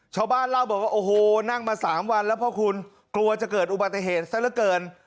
ชาวบ้านเล่าบอกว่าโอ้โหนั่งมา๓วันแล้วพ่อคุณกลัวจะเกิดอุบัติเหตุซะละเกิน